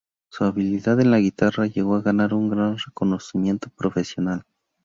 Su habilidad en la guitarra llegó a ganar un gran reconocimiento profesional.